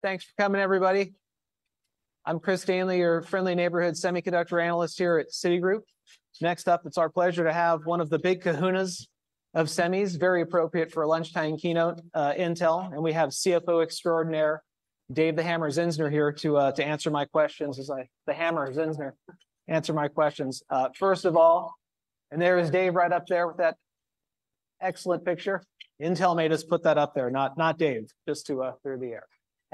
Thanks for coming, everybody. I'm Chris Danely, your friendly neighborhood semiconductor analyst here at Citigroup. Next up, it's our pleasure to have one of the big kahunas of semis, very appropriate for a lunchtime keynote, Intel. And we have CFO extraordinaire, Dave "The Hammer" Zinsner, here to answer my questions, "The Hammer" Zinsner, answer my questions. First of all, there is Dave right up there with that excellent picture. Intel made us put that up there, not, not Dave, just to clear the air.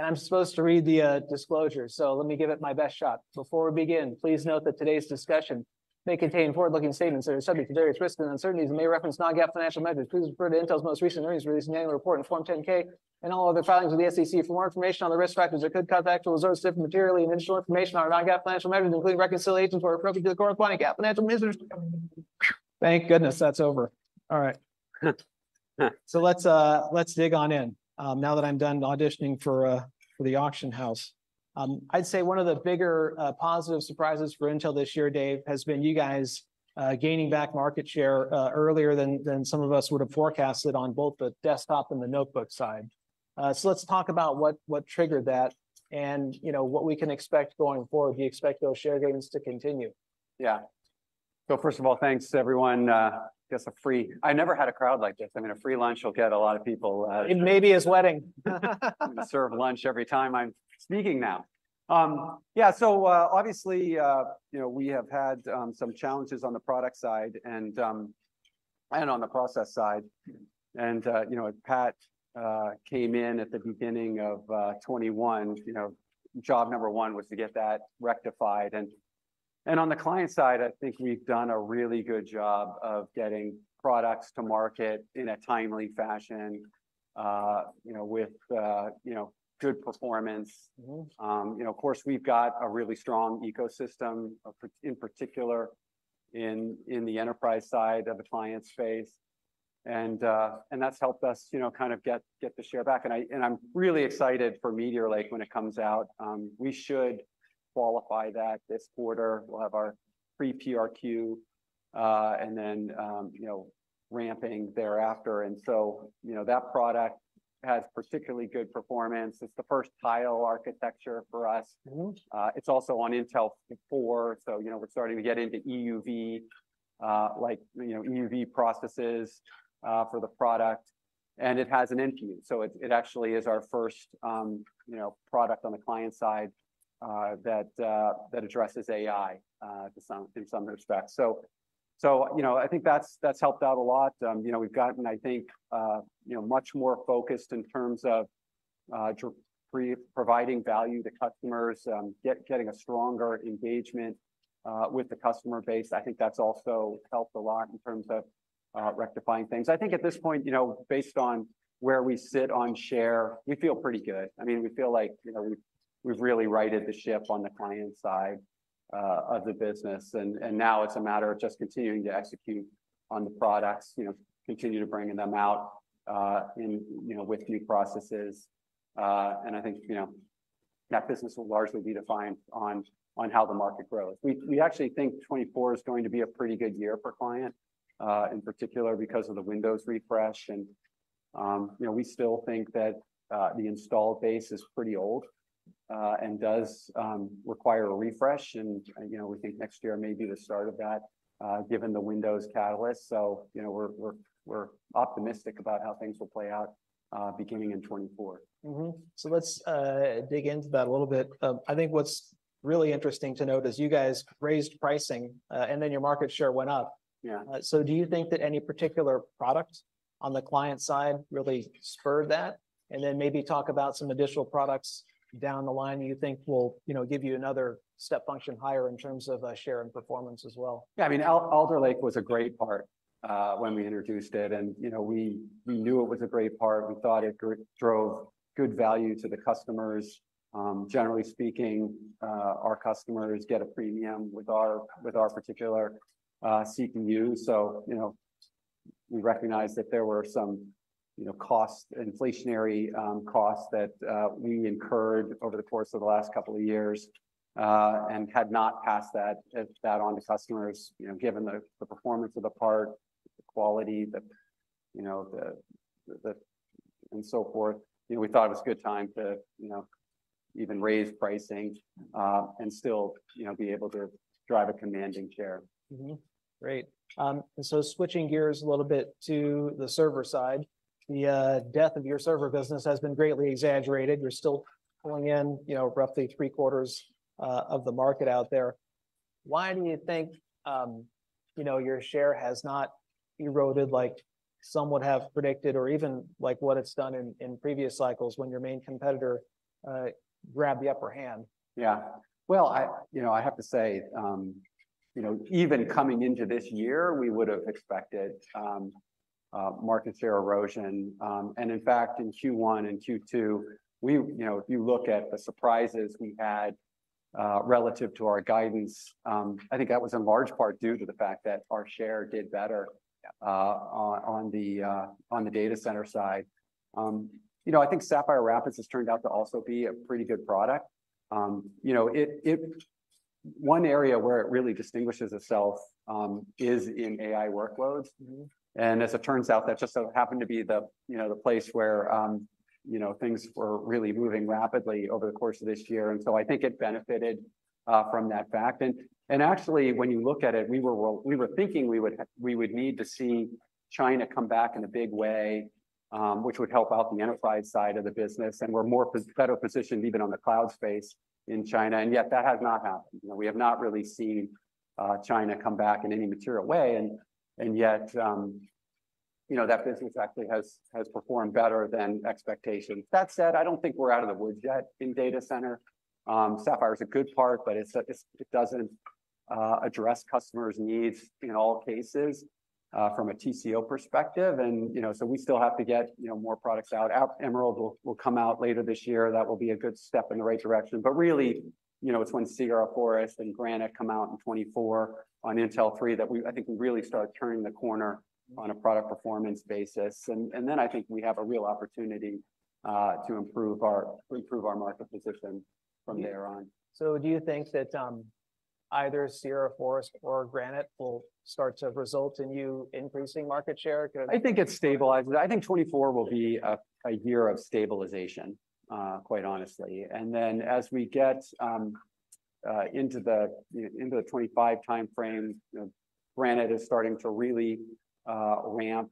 I'm supposed to read the disclosure, so let me give it my best shot. Before we begin, please note that today's discussion may contain forward-looking statements that are subject to various risks and uncertainties and may reference non-GAAP financial measures. Please refer to Intel's most recent earnings release, annual report, and Form 10-K, and all other filings with the SEC for more information on the risk factors that could cause actual results to differ materially, and additional information on our non-GAAP financial measures, including reconciliations, where appropriate, to the comparable GAAP financial measures. Thank goodness, that's over! All right. So let's dig in. Now that I'm done auditioning for the auction house. I'd say one of the bigger positive surprises for Intel this year, Dave, has been you guys gaining back market share earlier than some of us would have forecasted on both the desktop and the notebook side. So let's talk about what triggered that and, you know, what we can expect going forward. Do you expect those share gains to continue? Yeah. So first of all, thanks to everyone who gets a free... I never had a crowd like this. I mean, a free lunch will get a lot of people. Maybe his wedding. I'm gonna serve lunch every time I'm speaking now. Yeah, so, obviously, you know, we have had some challenges on the product side and on the process side. You know, Pat came in at the beginning of 2021, you know, job number one was to get that rectified. And on the client side, I think we've done a really good job of getting products to market in a timely fashion, you know, with good performance. Mm-hmm. You know, of course, we've got a really strong ecosystem, in particular, in the enterprise side of the client space. And that's helped us, you know, kind of get the share back. And I'm really excited for Meteor Lake when it comes out. We should qualify that this quarter. We'll have our pre-PRQ, and then, you know, ramping thereafter. And so, you know, that product has particularly good performance. It's the first tile architecture for us. Mm-hmm. It's also on Intel 4. So, you know, we're starting to get into EUV, like, you know, EUV processes for the product, and it has an NPU. So it actually is our first, you know, product on the client side that addresses AI in some respects. So, you know, I think that's helped out a lot. You know, we've gotten, I think, you know, much more focused in terms of providing value to customers, getting a stronger engagement with the customer base. I think that's also helped a lot in terms of rectifying things. I think at this point, you know, based on where we sit on share, we feel pretty good. I mean, we feel like, you know, we've really righted the ship on the client side of the business. And now it's a matter of just continuing to execute on the products, you know, continue to bringing them out, you know, with new processes. And I think, you know, that business will largely be defined on how the market grows. We actually think 2024 is going to be a pretty good year for client, in particular because of the Windows refresh. And, you know, we still think that the install base is pretty old and does require a refresh. And, you know, we think next year may be the start of that, given the Windows catalyst. So, you know, we're optimistic about how things will play out, beginning in 2024. Mm-hmm. So let's dig into that a little bit. I think what's really interesting to note is you guys raised pricing, and then your market share went up. Yeah. So do you think that any particular product on the client side really spurred that? And then maybe talk about some additional products down the line you think will, you know, give you another step function higher in terms of, share and performance as well. Yeah, I mean, Alder Lake was a great part, when we introduced it and, you know, we, we knew it was a great part. We thought it drove good value to the customers. Generally speaking, our customers get a premium with our, with our particular, CPU. So, you know, we recognized that there were some, you know, cost-inflationary costs that, we incurred over the course of the last couple of years, and had not passed that, that on to customers. You know, given the, the performance of the part, the quality, the, you know, the, the... and so forth, you know, we thought it was a good time to, you know, even raise pricing, and still, you know, be able to drive a commanding share. Mm-hmm. Great. And so switching gears a little bit to the server side, the death of your server business has been greatly exaggerated. You're still pulling in, you know, roughly three-quarters of the market out there. Why do you think, you know, your share has not eroded like some would have predicted, or even like what it's done in previous cycles when your main competitor grabbed the upper hand? Yeah. Well, I, you know, I have to say, you know, even coming into this year, we would have expected, market share erosion. And in fact, in Q1 and Q2, you know, if you look at the surprises we had, relative to our guidance, I think that was in large part due to the fact that our share did better, on the data center side. You know, I think Sapphire Rapids has turned out to also be a pretty good product. You know, One area where it really distinguishes itself, is in AI workloads. Mm-hmm. And as it turns out, that just so happened to be the, you know, the place where, you know, things were really moving rapidly over the course of this year, and so I think it benefited from that fact. And actually, when you look at it, we were thinking we would need to see China come back in a big way, which would help out the enterprise side of the business, and we're better positioned even on the cloud space in China, and yet that has not happened. You know, we have not really seen China come back in any material way, and yet, you know, that business actually has performed better than expectations. That said, I don't think we're out of the woods yet in data center. Sapphire is a good part, but it doesn't address customers' needs in all cases from a TCO perspective. And, you know, so we still have to get, you know, more products out. Emerald will come out later this year. That will be a good step in the right direction. But really, you know, it's when Sierra Forest and Granite come out in 2024 on Intel 3, that we - I think we really start turning the corner on a product performance basis. And then I think we have a real opportunity to improve our market position from there on. So do you think that either Sierra Forest or Granite will start to result in you increasing market share? Do you- I think it's stabilized. I think 2024 will be a year of stabilization, quite honestly. And then, as we get into the 2025 timeframe, you know, Granite is starting to really ramp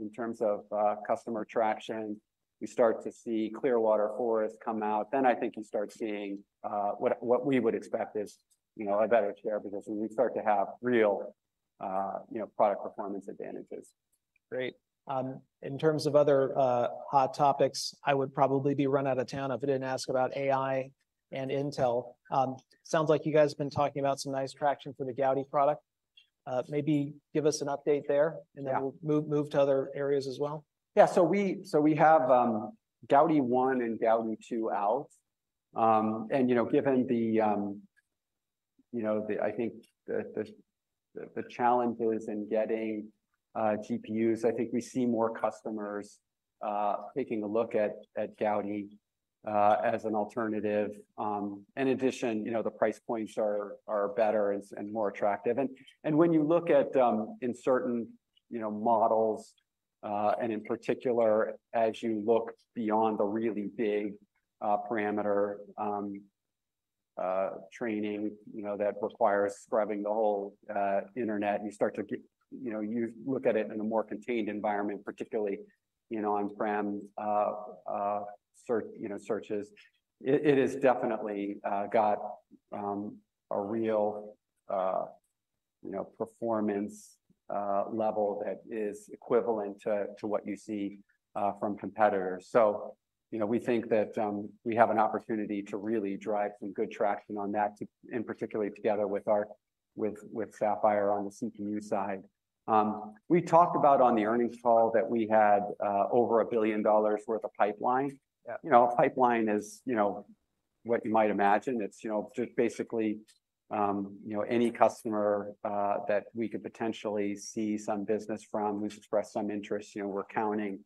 in terms of customer traction. We start to see Clearwater Forest come out, then I think you start seeing... What we would expect is, you know, a better share position. We start to have real, you know, product performance advantages. Great. In terms of other hot topics, I would probably be run out of town if I didn't ask about AI and Intel. Sounds like you guys have been talking about some nice traction for the Gaudi product. Maybe give us an update there- Yeah And then we'll move to other areas as well. Yeah. So we have Gaudi 1 and Gaudi 2 out. And, you know, given the challenges in getting GPUs, I think we see more customers taking a look at Gaudi as an alternative. In addition, you know, the price points are better and more attractive. And when you look at in certain models, and in particular, as you look beyond the really big parameter training, you know, that requires scrubbing the whole internet, you start to get... You know, you look at it in a more contained environment, particularly on-prem searches. It has definitely got a real, you know, performance level that is equivalent to what you see from competitors. So, you know, we think that we have an opportunity to really drive some good traction on that to and particularly together with our with Sapphire on the CPU side. We talked about on the earnings call that we had over $1 billion worth of pipeline. Yeah. You know, a pipeline is, you know, what you might imagine. It's, you know, just basically, you know, any customer, that we could potentially see some business from, who's expressed some interest, you know, we're counting.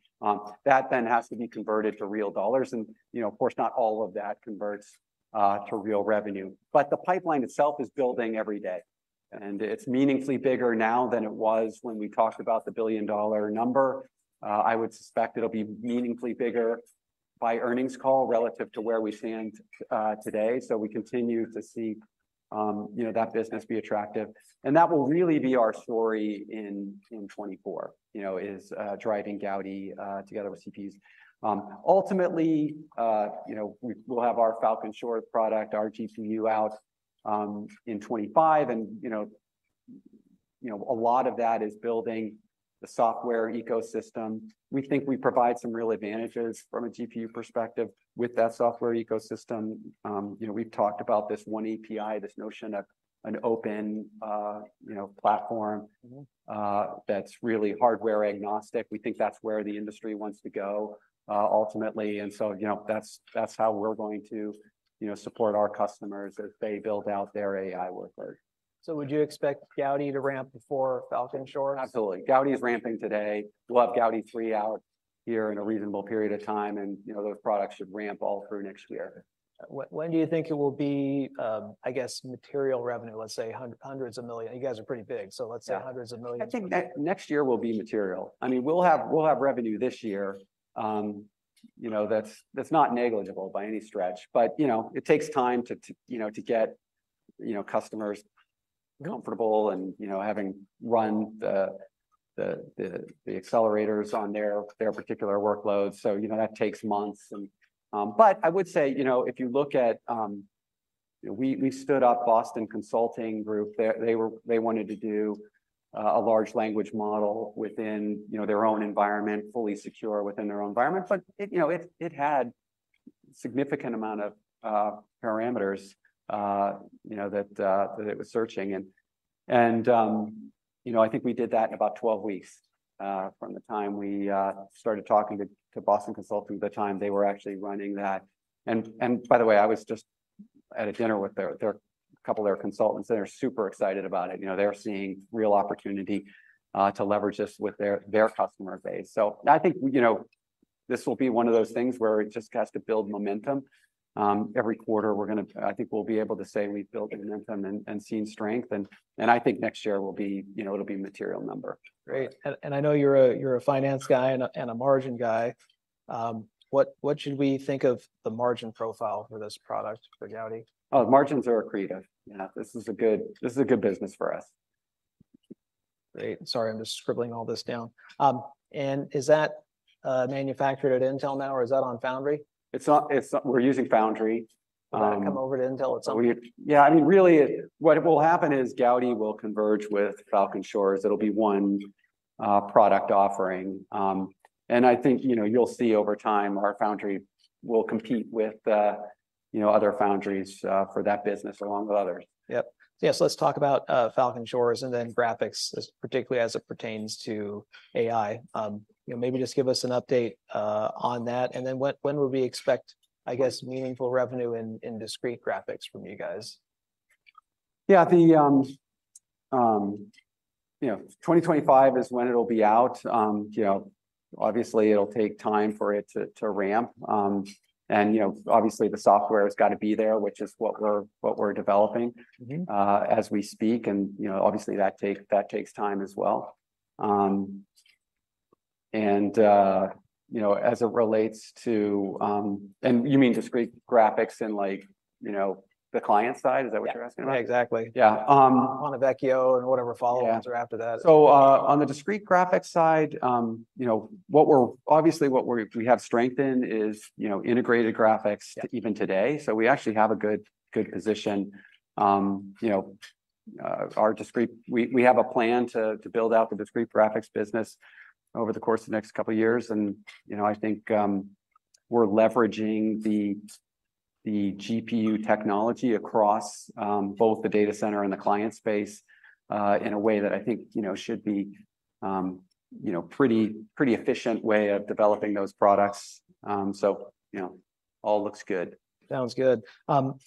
That then has to be converted to real dollars and, you know, of course, not all of that converts, to real revenue. But the pipeline itself is building every day, and it's meaningfully bigger now than it was when we talked about the billion-dollar number. I would suspect it'll be meaningfully bigger by earnings call relative to where we stand, today. So we continue to see, you know, that business be attractive, and that will really be our story in 2024, you know, is driving Gaudi together with CPUs. Ultimately, you know, we'll have our Falcon Shores product, our GPU out, in 2025, and, you know, you know, a lot of that is building the software ecosystem. We think we provide some real advantages from a GPU perspective with that software ecosystem. You know, we've talked about this oneAPI, this notion of an open, you know, platform- Mm-hmm That's really hardware-agnostic. We think that's where the industry wants to go, ultimately, and so, you know, that's, that's how we're going to, you know, support our customers as they build out their AI workload. So would you expect Gaudi to ramp before Falcon Shores? Absolutely. Gaudi is ramping today. We'll have Gaudi 3 out here in a reasonable period of time, and, you know, those products should ramp all through next year. When do you think it will be, I guess, material revenue, let's say, hundreds of millions? You guys are pretty big, so let's say- Yeah Hundreds of millions. I think next year will be material. I mean, we'll have revenue this year. You know, that's not negligible by any stretch, but you know, it takes time to get customers comfortable and having run the accelerators on their particular workloads. So you know, that takes months. But I would say, you know, if you look at—We stood up Boston Consulting Group. They wanted to do a large language model within their own environment, fully secure within their own environment. But it, you know, it had significant amount of parameters, you know, that that it was searching and, and, you know, I think we did that in about 12 weeks, from the time we started talking to to Boston Consulting to the time they were actually running that. And by the way, I was just at a dinner with their couple of their consultants, and they're super excited about it. You know, they're seeing real opportunity to leverage this with their customer base. So I think, you know, this will be one of those things where it just has to build momentum. Every quarter we're gonna I think we'll be able to say we've built momentum and seen strength, and I think next year will be, you know, it'll be a material number. Great. And I know you're a finance guy and a margin guy. What should we think of the margin profile for this product, for Gaudi? Oh, margins are accretive. Yeah, this is a good business for us. Great. Sorry, I'm just scribbling all this down. And is that manufactured at Intel now, or is that on foundry? It's not, it's not... We're using Foundry, Come over to Intel itself. Yeah, I mean, really, what will happen is Gaudi will converge with Falcon Shores. It'll be one product offering. And I think, you know, you'll see over time our foundry will compete with, you know, other foundries for that business, along with others. Yep. Yes, let's talk about Falcon Shores, and then graphics, as particularly as it pertains to AI. You know, maybe just give us an update on that, and then when would we expect, I guess, meaningful revenue in discrete graphics from you guys? Yeah, you know, 2025 is when it'll be out. You know, obviously, it'll take time for it to ramp. And, you know, obviously, the software has got to be there, which is what we're developing- Mm-hmm As we speak. And, you know, obviously, that takes time as well. And, you know, as it relates to... And you mean discrete graphics in, like, you know, the client side? Is that what you're asking about? Yeah. Exactly. Yeah. Um- Ponte Vecchio, and whatever follow-ons- Yeah Are after that. So, on the discrete graphics side, you know, obviously, what we have strength in is, you know, integrated graphics- Yeah Even today. So we actually have a good, good position. You know, our discrete—we have a plan to build out the discrete graphics business over the course of the next couple of years. And, you know, I think we're leveraging the GPU technology across both the data center and the client space in a way that I think, you know, should be a pretty, pretty efficient way of developing those products. So, you know, all looks good. Sounds good.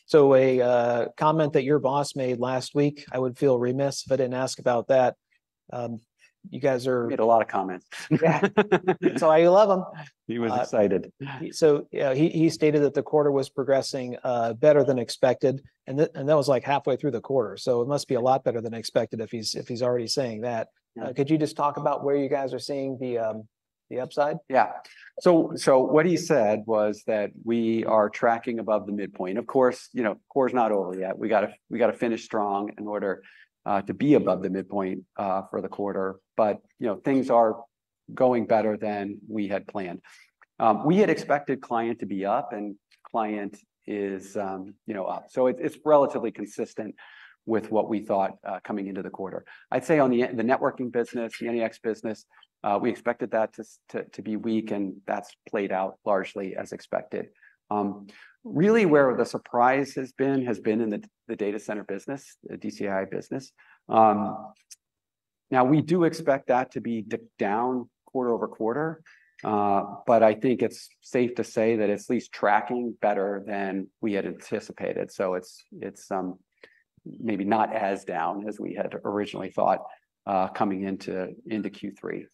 So, a comment that your boss made last week, I would feel remiss if I didn't ask about that. You guys are- He made a lot of comments. Yeah. That's why you love him. He was excited. So yeah, he stated that the quarter was progressing better than expected, and that was, like, halfway through the quarter. So it must be a lot better than expected if he's already saying that. Yeah. Could you just talk about where you guys are seeing the upside? Yeah. So what he said was that we are tracking above the midpoint. Of course, you know, quarter's not over yet. We gotta finish strong in order to be above the midpoint for the quarter. But, you know, things are going better than we had planned. We had expected client to be up, and client is, you know, up. So it's relatively consistent with what we thought coming into the quarter. I'd say on the networking business, the NEX business, we expected that to be weak, and that's played out largely as expected. Really where the surprise has been has been in the data center business, the DCAI business. Now, we do expect that to be dipped down quarter-over-quarter, but I think it's safe to say that it's at least tracking better than we had anticipated. So it's maybe not as down as we had originally thought, coming into Q3.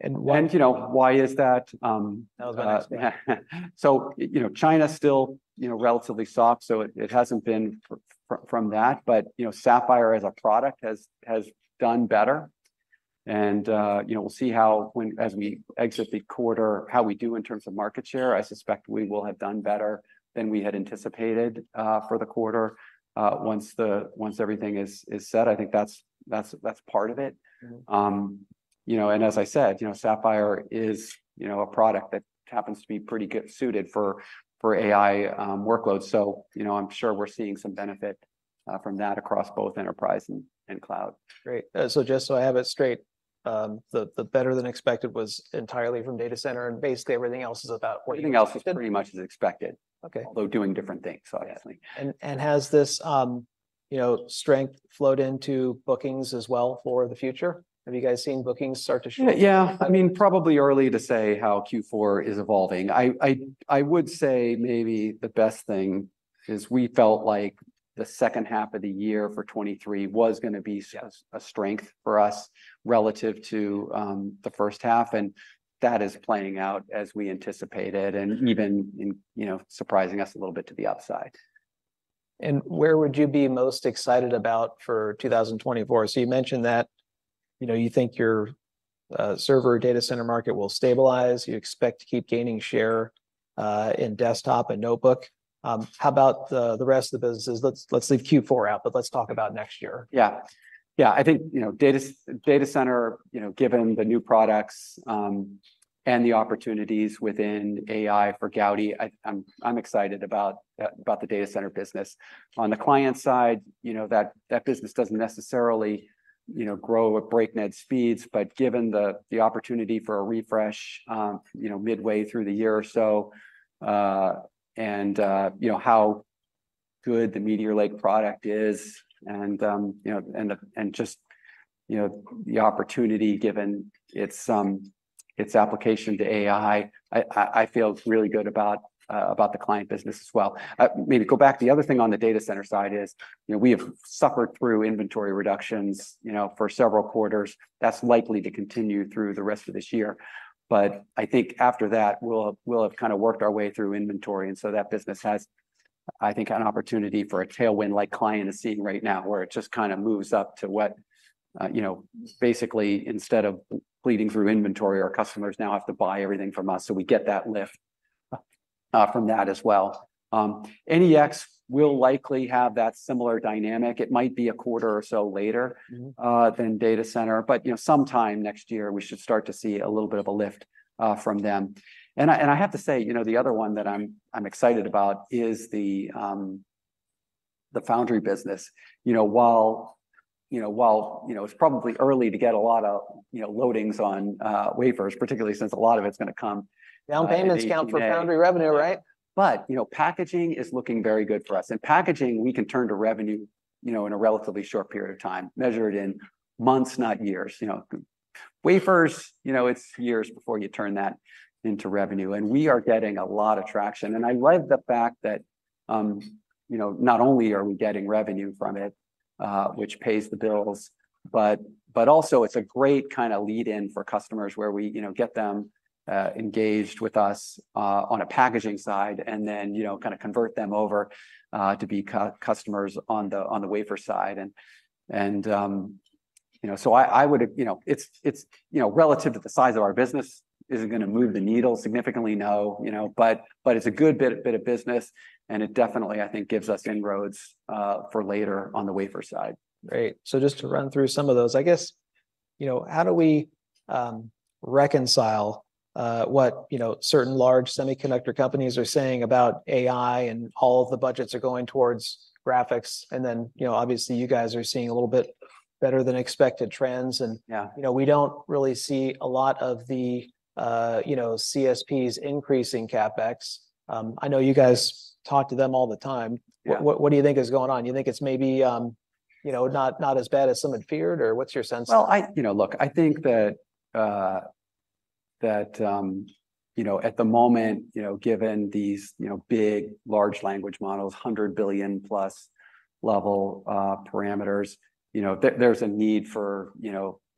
And- You know, why is that? I was about to ask. So, you know, China's still, you know, relatively soft, so it hasn't been from that. But, you know, Sapphire Rapids as a product has done better. And, you know, we'll see how as we exit the quarter, how we do in terms of market share. I suspect we will have done better than we had anticipated for the quarter, once everything is set. I think that's part of it. Mm. You know, and as I said, you know, Sapphire is, you know, a product that happens to be pretty good suited for, for AI workloads. So, you know, I'm sure we're seeing some benefit from that across both enterprise and cloud. Great. So just so I have it straight, the better-than-expected was entirely from data center, and basically, everything else is about what- Everything else is pretty much as expected- Okay Although doing different things, obviously. Has this, you know, strength flowed into bookings as well for the future? Have you guys seen bookings start to shift? Yeah. I mean, probably early to say how Q4 is evolving. I would say maybe the best thing is we felt like the second half of the year for 2023 was gonna be- Yes A strength for us relative to, the first half, and that is playing out as we anticipated, and even in, you know, surprising us a little bit to the upside. Where would you be most excited about for 2024? You mentioned that, you know, you think your server data center market will stabilize. You expect to keep gaining share in desktop and notebook. How about the rest of the businesses? Let's leave Q4 out, but let's talk about next year. Yeah. Yeah, I think, you know, data center, you know, given the new products, and the opportunities within AI for Gaudi, I'm excited about the data center business. On the client side, you know, that business doesn't necessarily, you know, grow at breakneck speeds, but given the opportunity for a refresh, you know, midway through the year or so, and, you know, how good the Meteor Lake product is, and, you know, and just, you know, the opportunity given its application to AI, I feel really good about the client business as well. Maybe go back. The other thing on the data center side is, you know, we have suffered through inventory reductions, you know, for several quarters. That's likely to continue through the rest of this year. But I think after that, we'll have kinda worked our way through inventory, and so that business has I think an opportunity for a tailwind like client is seeing right now, where it just kind of moves up to what, you know, basically, instead of bleeding through inventory, our customers now have to buy everything from us, so we get that lift from that as well. NEX will likely have that similar dynamic. It might be a quarter or so later- Mm-hmm. Than data center, but you know, sometime next year, we should start to see a little bit of a lift from them. And I have to say, you know, the other one that I'm excited about is the foundry business. You know, while it's probably early to get a lot of loadings on wafers, particularly since a lot of it's gonna come. Down payments count for foundry revenue, right? But, you know, packaging is looking very good for us. And packaging, we can turn to revenue, you know, in a relatively short period of time, measured in months, not years, you know. Wafers, you know, it's years before you turn that into revenue, and we are getting a lot of traction. And I like the fact that, you know, not only are we getting revenue from it, which pays the bills, but also it's a great kind of lead-in for customers, where we, you know, get them engaged with us on a packaging side and then, you know, kind of convert them over to be customers on the, on the wafer side. And, you know, so I would. You know, it's, you know, relative to the size of our business, is it gonna move the needle significantly? No. You know, but it's a good bit of business, and it definitely, I think, gives us inroads for later on the wafer side. Great. So just to run through some of those, I guess, you know, how do we, reconcile, what, you know, certain large semiconductor companies are saying about AI, and all of the budgets are going towards graphics, and then, you know, obviously, you guys are seeing a little bit better-than-expected trends and- Yeah. You know, we don't really see a lot of the, you know, CSPs increasing CapEx. I know you guys talk to them all the time. Yeah. What, what, what do you think is going on? You think it's maybe, you know, not, not as bad as some had feared, or what's your sense? Well, you know, look, I think that at the moment, you know, given these big large language models, 100 billion+ level parameters, you know, there's a need for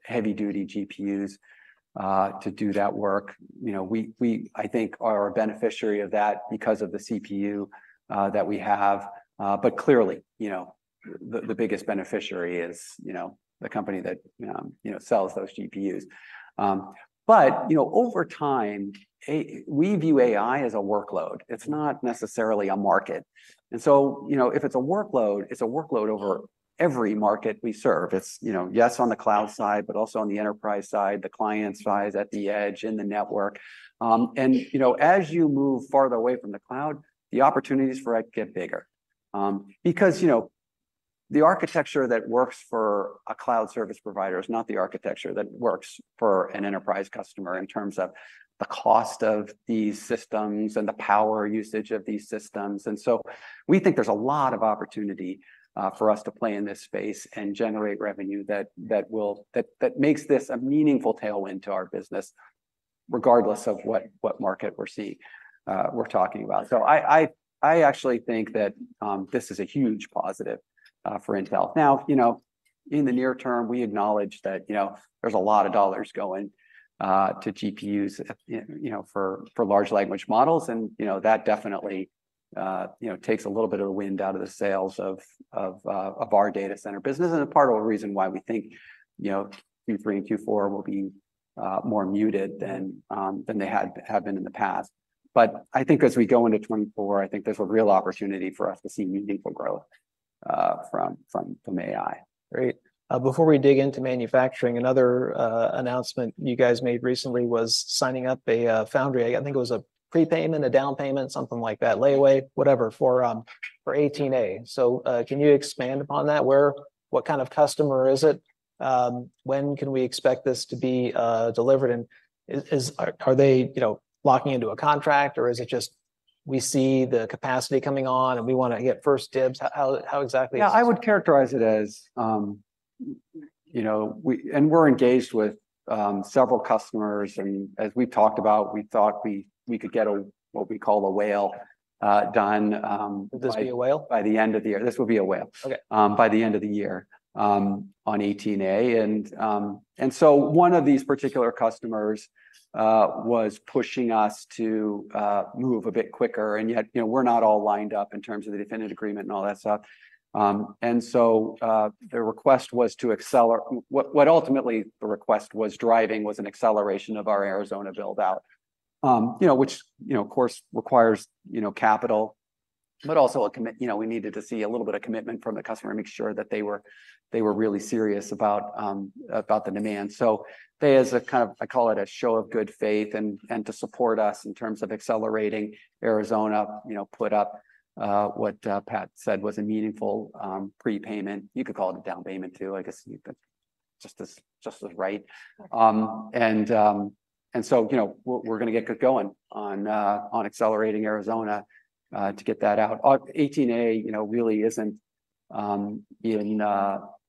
heavy-duty GPUs to do that work. You know, we, I think, are a beneficiary of that because of the CPU that we have, but clearly, you know, the biggest beneficiary is the company that sells those GPUs. But, you know, over time, we view AI as a workload. It's not necessarily a market. And so, you know, if it's a workload, it's a workload over every market we serve. It's, you know, yes, on the cloud side, but also on the enterprise side, the clients side, at the edge, in the network. You know, as you move farther away from the cloud, the opportunities for it get bigger, because, you know, the architecture that works for a cloud service provider is not the architecture that works for an enterprise customer in terms of the cost of these systems and the power usage of these systems. And so we think there's a lot of opportunity, for us to play in this space and generate revenue that, that will - that, that makes this a meaningful tailwind to our business, regardless of what, what market we're talking about. So I, I, I actually think that, this is a huge positive, for Intel. Now, you know, in the near term, we acknowledge that, you know, there's a lot of dollars going to GPUs, you know, for large language models, and, you know, that definitely takes a little bit of the wind out of the sails of our data center business, and a part of the reason why we think, you know, Q3 and Q4 will be more muted than they have been in the past. But I think as we go into 2024, I think there's a real opportunity for us to see meaningful growth from AI. Great. Before we dig into manufacturing, another announcement you guys made recently was signing up a foundry. I think it was a prepayment, a down payment, something like that, layaway, whatever, for 18A. So, can you expand upon that? Where—what kind of customer is it? When can we expect this to be delivered, and are they, you know, locking into a contract, or is it just we see the capacity coming on, and we wanna get first dibs? How exactly is- Yeah, I would characterize it as, you know, we're engaged with several customers, and as we've talked about, we thought we could get a, what we call a whale, done. Would this be a whale? By the end of the year. This would be a whale. Okay By the end of the year, on 18A. And, and so one of these particular customers, was pushing us to, move a bit quicker, and yet, you know, we're not all lined up in terms of the definitive agreement and all that stuff. And so, the request was to what, what ultimately the request was driving was an acceleration of our Arizona build-out, you know, which, you know, of course, requires, you know, capital, but also a commitment you know, we needed to see a little bit of commitment from the customer to make sure that they were, they were really serious about, about the demand. So they, as a kind of, I call it a show of good faith and, and to support us in terms of accelerating Arizona, you know, put up what Pat said was a meaningful prepayment. You could call it a down payment, too. I guess you could, just as, just as right. And so, you know, we're, we're gonna get going on on accelerating Arizona to get that out. 18A, you know, really isn't in,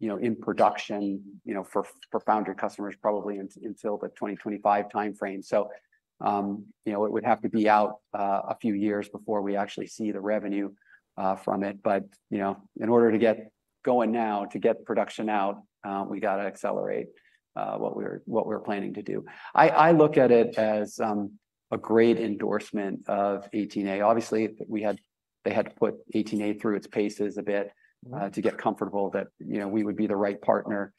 you know, in production, you know, for for foundry customers, probably until the 2025 timeframe. So, you know, it would have to be out a few years before we actually see the revenue from it. But, you know, in order to get going now, to get production out, we gotta accelerate what we're, what we're planning to do. I look at it as a great endorsement of 18A. Obviously, they had to put 18A through its paces a bit to get comfortable that, you know, we would be the right partner.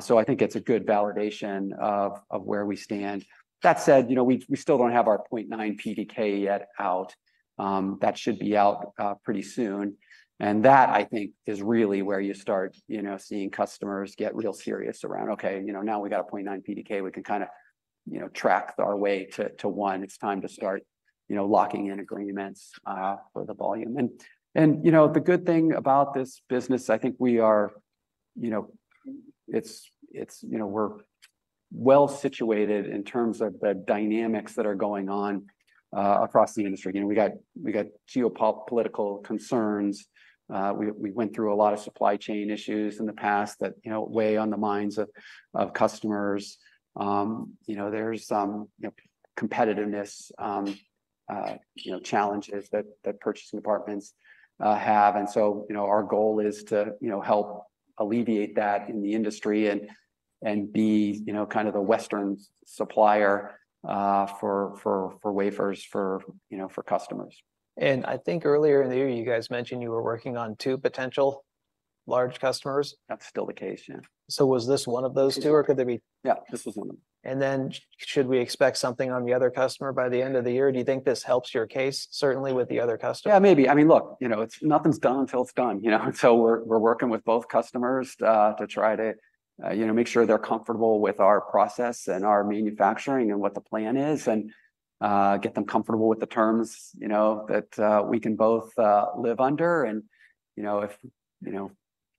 So I think it's a good validation of where we stand. That said, you know, we still don't have our .9 PDK yet out. That should be out pretty soon, and that, I think, is really where you start, you know, seeing customers get real serious around, "Okay, you know, now we've got a .9 PDK, we can kind of, you know, track our way to one. It's time to start, you know, locking in agreements for the volume. And you know, the good thing about this business, I think we are, you know, it's you know, we're well-situated in terms of the dynamics that are going on across the industry. You know, we got geopolitical concerns. We went through a lot of supply chain issues in the past that, you know, weigh on the minds of customers. You know, there's some you know, competitiveness, you know, challenges that purchasing departments have. And so, you know, our goal is to, you know, help alleviate that in the industry and be, you know, kind of the Western supplier for wafers, for you know, for customers. I think earlier in the year, you guys mentioned you were working on two potential large customers? That's still the case, yeah. So was this one of those two, or could there be? Yeah, this is one of them. And then should we expect something on the other customer by the end of the year? Do you think this helps your case, certainly with the other customer? Yeah, maybe. I mean, look, you know, it's nothing's done until it's done, you know? So we're working with both customers to try to, you know, make sure they're comfortable with our process and our manufacturing and what the plan is, and get them comfortable with the terms, you know, that we can both live under. And, you know, if, you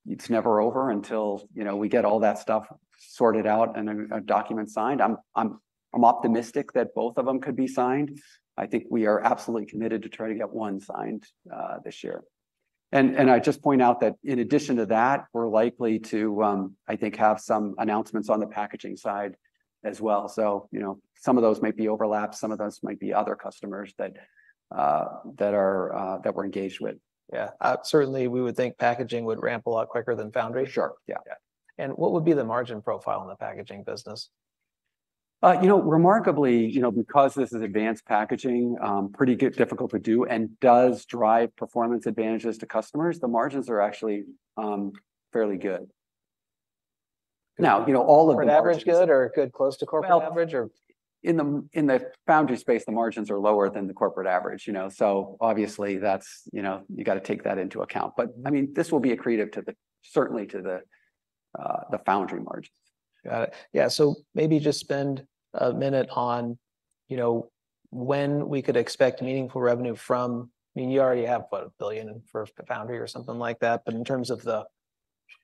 know, it's never over until, you know, we get all that stuff sorted out and then a document signed. I'm optimistic that both of them could be signed. I think we are absolutely committed to try to get one signed this year. And I just point out that in addition to that, we're likely to, I think, have some announcements on the packaging side as well. You know, some of those might be overlaps, some of those might be other customers that we're engaged with. Yeah. Certainly, we would think packaging would ramp a lot quicker than foundry. Sure. Yeah. Yeah. And what would be the margin profile in the packaging business? You know, remarkably, you know, because this is advanced packaging, pretty get difficult to do and does drive performance advantages to customers, the margins are actually fairly good. Now, you know, all of the- Corporate average, good or good close to corporate average, or- In the foundry space, the margins are lower than the corporate average, you know? So obviously, that's, you know, you gotta take that into account. But, I mean, this will be accretive certainly to the foundry margins. Got it. Yeah, so maybe just spend a minute on, you know, when we could expect meaningful revenue from... I mean, you already have, what, $1 billion for foundry or something like that. But in terms of the,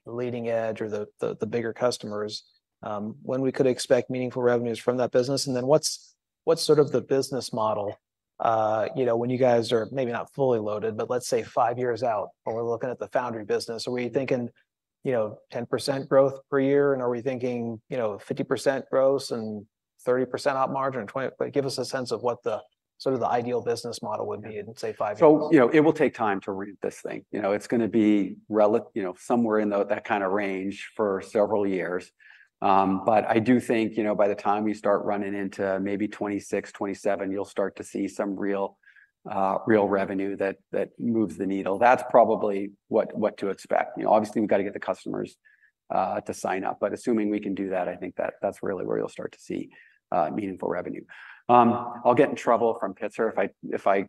the leading edge or the, the, the bigger customers, when we could expect meaningful revenues from that business, and then what's, what's sort of the business model, you know, when you guys are maybe not fully loaded, but let's say five years out, when we're looking at the foundry business, are we thinking, you know, 10% growth per year? And are we thinking, you know, 50% growth and 30% op margin, and twenty... But give us a sense of what the sort of the ideal business model would be in, say, five years. So, you know, it will take time to ramp this thing. You know, it's gonna be relic- you know, somewhere in that kind of range for several years. But I do think, you know, by the time you start running into maybe 2026, 2027, you'll start to see some real real revenue that moves the needle. That's probably what to expect. You know, obviously, we've got to get the customers to sign up. But assuming we can do that, I think that's really where you'll start to see meaningful revenue. I'll get in trouble from Pitzer if I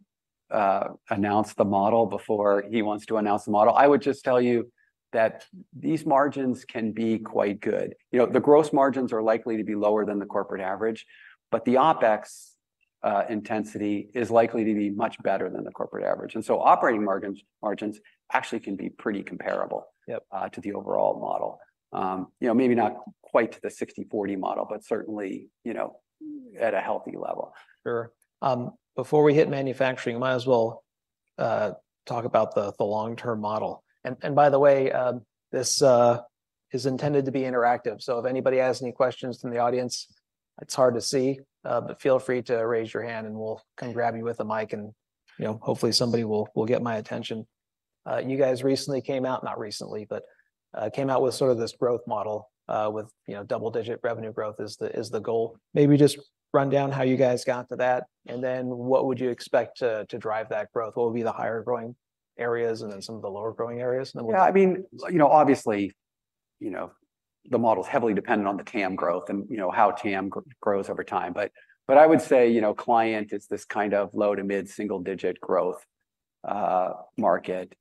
announce the model before he wants to announce the model. I would just tell you that these margins can be quite good. You know, the gross margins are likely to be lower than the corporate average, but the OpEx intensity is likely to be much better than the corporate average. And so operating margins, margins actually can be pretty comparable- Yep To the overall model. You know, maybe not quite the 60/40 model, but certainly, you know, at a healthy level. Sure. Before we hit manufacturing, we might as well talk about the long-term model. And by the way, this is intended to be interactive, so if anybody has any questions from the audience, it's hard to see, but feel free to raise your hand, and we'll come grab you with a mic, and you know, hopefully somebody will get my attention. You guys recently came out, not recently, but came out with sort of this growth model with you know, double-digit revenue growth is the goal. Maybe just run down how you guys got to that, and then what would you expect to drive that growth? What would be the higher growing areas and then some of the lower growing areas, and then- Yeah, I mean, you know, obviously, you know, the model's heavily dependent on the TAM growth and, you know, how TAM grows over time. But I would say, you know, client, it's this kind of low- to mid-single-digit growth market.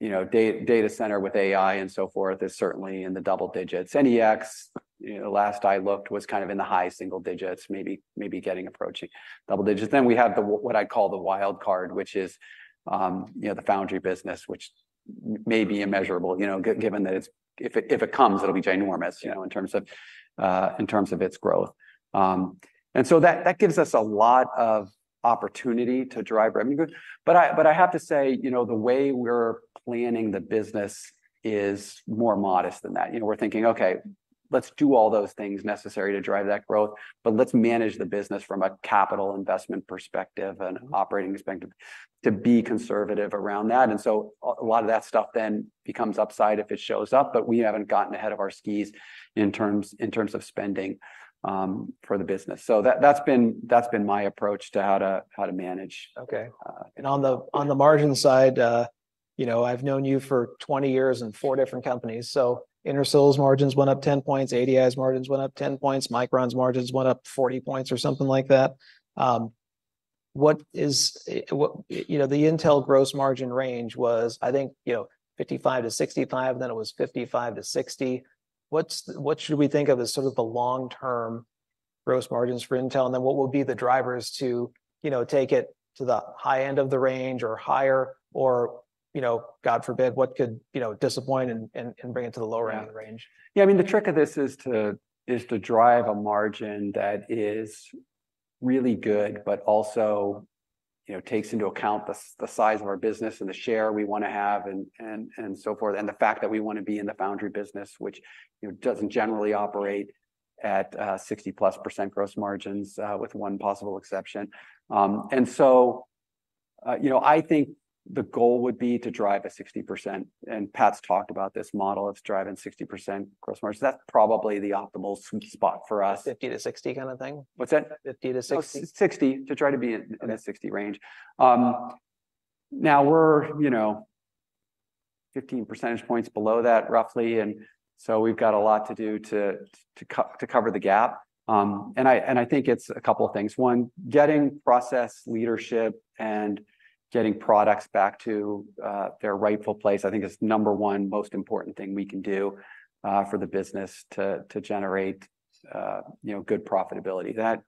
You know, data center with AI and so forth is certainly in the double digits. NEX, you know, last I looked, was kind of in the high single digits, maybe getting approaching double digits. Then we have what I call the wild card, which is, you know, the foundry business, which may be immeasurable, you know, given that it's. If it comes, it'll be ginormous, you know, in terms of its growth. And so that gives us a lot of opportunity to drive revenue. But I have to say, you know, the way we're planning the business is more modest than that. You know, we're thinking, "Okay, let's do all those things necessary to drive that growth, but let's manage the business from a capital investment perspective and operating perspective, to be conservative around that." And so, a lot of that stuff then becomes upside if it shows up, but we haven't gotten ahead of our skis in terms of spending for the business. So that's been my approach to how to manage. Okay. On the margin side, you know, I've known you for 20 years in four different companies. So Intersil's margins went up 10 points, ADI's margins went up 10 points, Micron's margins went up 40 points or something like that. You know, the Intel gross margin range was, I think, you know, 55%-65%, and then it was 55%-60%. What should we think of as sort of the long-term gross margins for Intel? And then what will be the drivers to, you know, take it to the high end of the range or higher, or, you know, God forbid, what could, you know, disappoint and bring it to the lower end of the range? Yeah, I mean, the trick of this is to drive a margin that is really good, but also, you know, takes into account the size of our business and the share we wanna have and so forth, and the fact that we wanna be in the foundry business, which, you know, doesn't generally operate at 60%+ gross margins, with one possible exception. And so, you know, I think the goal would be to drive a 60%, and Pat's talked about this model. It's driving 60% gross margins. That's probably the optimal spot for us. 50-60 kind of thing? What's that? 50-60. 60. To try to be in the 60 range. Now, we're, you know, 15 percentage points below that, roughly, and so we've got a lot to do to cover the gap. And I think it's a couple of things. One, getting process leadership and getting products back to their rightful place, I think is number one most important thing we can do for the business to generate, you know, good profitability. That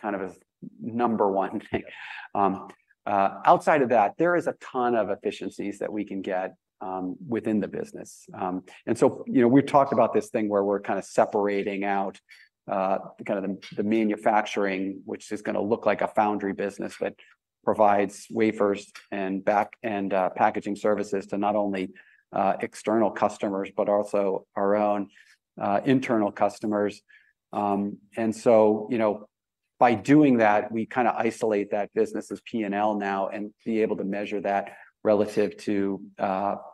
kind of is number one thing. Outside of that, there is a ton of efficiencies that we can get within the business. And so, you know, we've talked about this thing where we're kind of separating out kind of the manufacturing, which is gonna look like a foundry business that provides wafers and back- and packaging services to not only external customers, but also our own internal customers. And so, you know, by doing that, we kind of isolate that business's P&L now and be able to measure that relative to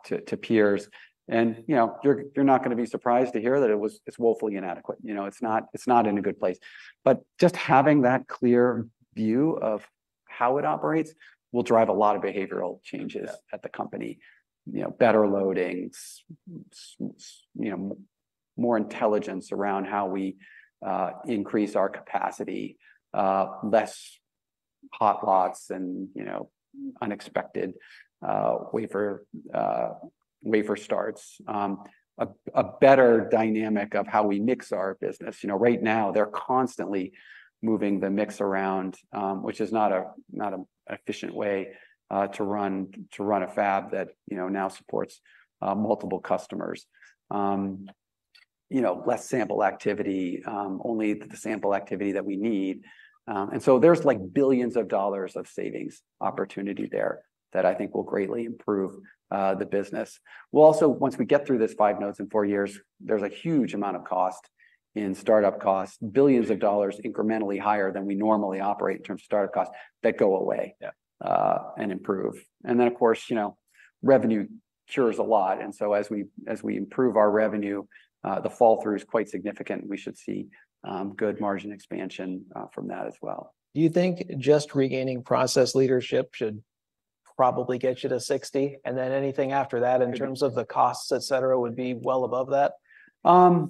to peers. And, you know, you're not gonna be surprised to hear that it's woefully inadequate. You know, it's not in a good place. But just having that clear view of how it operates will drive a lot of behavioral changes- Yeah At the company. You know, better loadings, you know, more intelligence around how we increase our capacity, less hot lots and, you know, unexpected wafer starts, a better dynamic of how we mix our business. You know, right now, they're constantly moving the mix around, which is not a, not an efficient way to run a fab that, you know, now supports multiple customers. You know, less sample activity, only the sample activity that we need. And so there's, like, billions of dollars of savings opportunity there that I think will greatly improve the business. We'll also, once we get through this five nodes in four years, there's a huge amount of cost in start-up costs, billions of dollars incrementally higher than we normally operate in terms of start-up costs, that go away- Yeah And improve. And then, of course, you know, revenue cures a lot, and so as we improve our revenue, the fall through is quite significant. We should see good margin expansion from that as well. Do you think just regaining process leadership should probably get you to 60, and then anything after that in terms of the costs, et cetera, would be well above that? I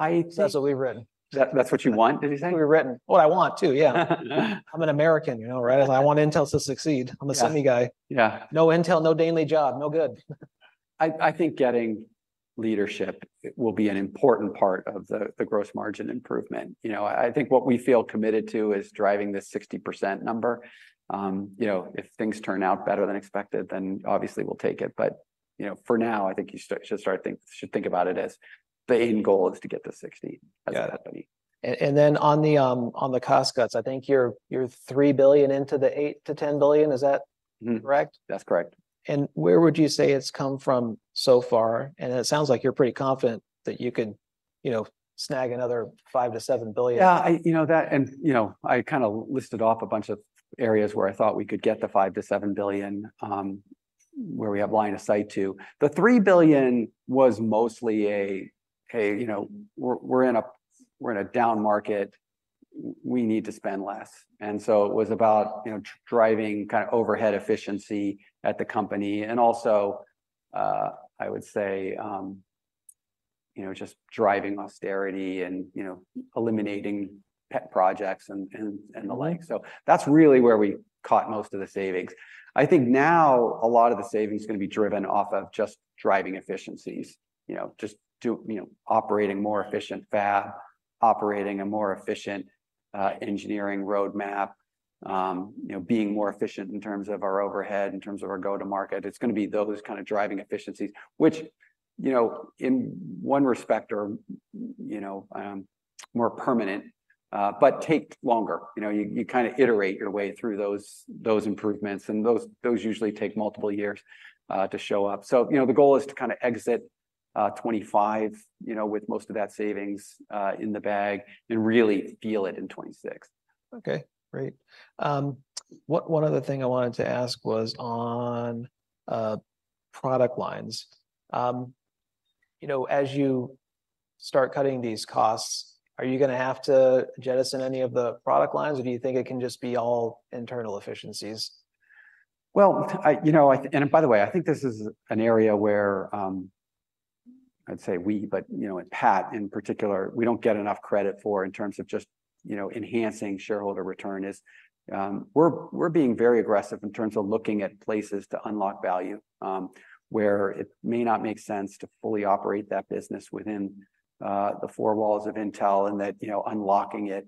think- That's what we've written. That's what you want, did you say? We've written. What I want, too, yeah. I'm an American, you know, right? I want Intel to succeed. Yeah. I'm a semi guy. Yeah. No Intel, no daily job, no good. I think getting leadership will be an important part of the gross margin improvement. You know, I think what we feel committed to is driving this 60% number. You know, if things turn out better than expected, then obviously we'll take it. But, you know, for now, I think you should think about it as the end goal is to get to 60%- Yeah As a company. And then on the cost cuts, I think you're $3 billion into the $8 billion-$10 billion. Is that- Mm-hmm Correct? That's correct. Where would you say it's come from so far? It sounds like you're pretty confident that you can, you know, snag another $5 billion-$7 billion. Yeah, you know that and, you know, I kind of listed off a bunch of areas where I thought we could get the $5 billion-$7 billion, where we have line of sight to. The $3 billion was mostly a, "Hey, you know, we're, we're in a down market. We need to spend less." And so it was about, you know, driving kind of overhead efficiency at the company, and also, I would say, you know, just driving austerity and, you know, eliminating pet projects and the like. So that's really where we caught most of the savings. I think now a lot of the savings is gonna be driven off of just driving efficiencies. You know, just you know, operating more efficient fab, operating a more efficient engineering roadmap, you know, being more efficient in terms of our overhead, in terms of our go-to-market. It's gonna be those kind of driving efficiencies, which, you know, in one respect are, you know, more permanent, but take longer. You know, you kinda iterate your way through those improvements, and those usually take multiple years to show up. So, you know, the goal is to kind of exit 2025, you know, with most of that savings in the bag, and really feel it in 2026. Okay, great. One other thing I wanted to ask was on product lines. You know, as you start cutting these costs, are you gonna have to jettison any of the product lines, or do you think it can just be all internal efficiencies? Well, you know, and by the way, I think this is an area where I'd say we, but you know, and Pat in particular, we don't get enough credit for in terms of just you know, enhancing shareholder return is we're being very aggressive in terms of looking at places to unlock value where it may not make sense to fully operate that business within the four walls of Intel, and that you know, unlocking it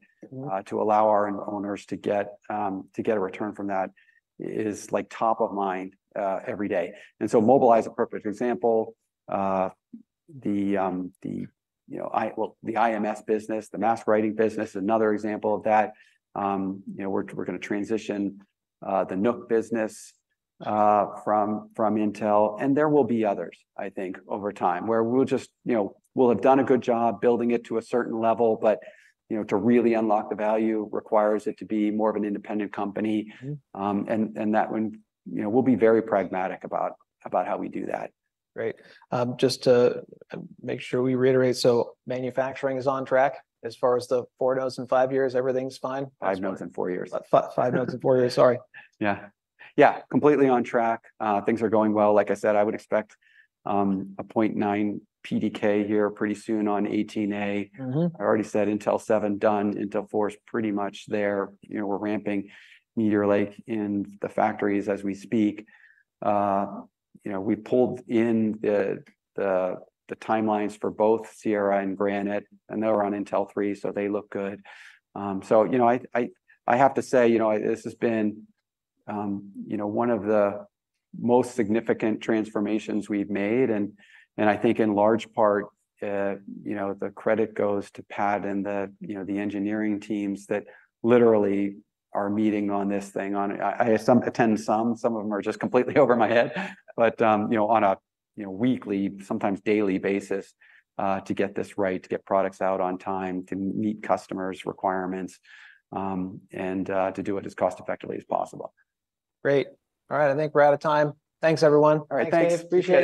to allow our owners to get to get a return from that is like top of mind every day. And so Mobileye is a perfect example. Well, the IMS business, the mask writing business, is another example of that. You know, we're gonna transition the NUC business from Intel, and there will be others, I think, over time, where we'll just, you know, we'll have done a good job building it to a certain level, but, you know, to really unlock the value requires it to be more of an independent company. Mm-hmm. And that when... You know, we'll be very pragmatic about how we do that. Great. Just to make sure we reiterate, so manufacturing is on track as far as the four nodes and five years, everything's fine? five nodes and four years. Five nodes and four years, sorry. Yeah. Yeah, completely on track. Things are going well. Like I said, I would expect a 0.9 PDK here pretty soon on 18A. Mm-hmm. I already said Intel 7, done. Intel 4 is pretty much there. You know, we're ramping Meteor Lake in the factories as we speak. You know, we pulled in the timelines for both Sierra and Granite, and they're on Intel 3, so they look good. So, you know, I have to say, you know, this has been, you know, one of the most significant transformations we've made, and, and I think in large part, you know, the credit goes to Pat and the, you know, the engineering teams that literally are meeting on this thing on... I sometimes attend some. Some of them are just completely over my head, but you know, on a weekly, sometimes daily basis, to get this right, to get products out on time, to meet customers' requirements, and to do it as cost-effectively as possible. Great. All right, I think we're out of time. Thanks, everyone. All right, thanks. Appreciate it.